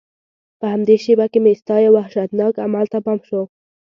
په همدې شېبه کې مې ستا یو وحشتناک عمل ته پام شو.